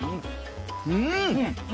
うん！